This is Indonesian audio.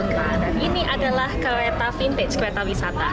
nah dan ini adalah kereta vintage kereta wisata